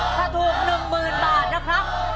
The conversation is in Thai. ถ้าถูก๑๐๐๐บาทนะครับ